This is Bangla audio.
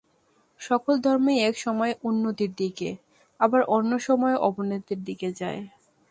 সকল ধর্মই এক সময়ে উন্নতির দিকে, আবার অন্য সময়ে অবনতির দিকে যায়।